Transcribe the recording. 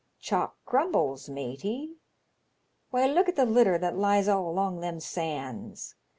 Chalk crumbles, matey. Why look at the litter that lies all along them sands.